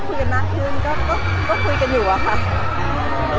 เพื่อนด้วยจะถูกเอียด